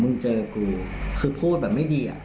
เจอกูคือพูดแบบไม่ดีอ่ะ